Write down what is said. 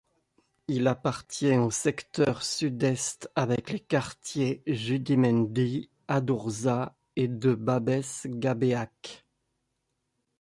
Il appartient au secteur sud-est avec les quartiers Judimendi, Adurza et de Babesgabeak.